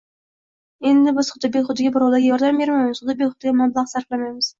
«endi biz huda-behudaga birovlarga yordam bermaymiz, huda-behudaga mablag‘ sarflamaymiz